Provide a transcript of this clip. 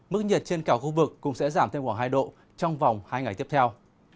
mức nhiệt trên cả khu vực cũng sẽ giảm thêm khoảng hai độ trong vòng hai ngày tiếp theo